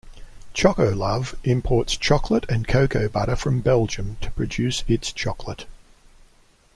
Chocolove imports chocolate and cocoa butter from Belgium to produce its chocolate.